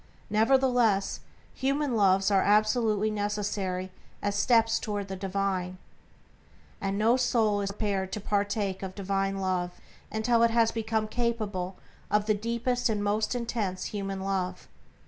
Nevertheless, human loves are absolutely necessary as steps toward the Divine, and no soul is prepared to partake of Divine Love until it has become capable of the deepest and most intense human love.